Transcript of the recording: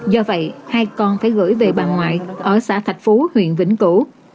do vậy hai con phải gửi về bà ngoại ở xã thạch phú huyện vĩnh cửu